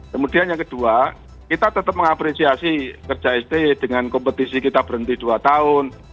kemudian yang kedua kita tetap mengapresiasi kerja sti dengan kompetisi kita berhenti dua tahun